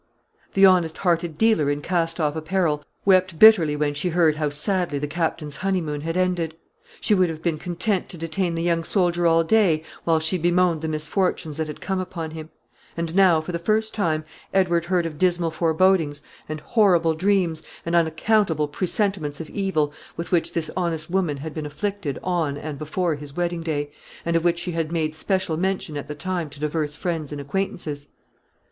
The honest hearted dealer in cast off apparel wept bitterly when she heard how sadly the Captain's honeymoon had ended. She would have been content to detain the young soldier all day, while she bemoaned the misfortunes that had come upon him; and now, for the first time, Edward heard of dismal forebodings, and horrible dreams, and unaccountable presentiments of evil, with which this honest woman had been afflicted on and before his wedding day, and of which she had made special mention at the time to divers friends and acquaintances.